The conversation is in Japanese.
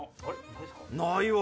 ないわ。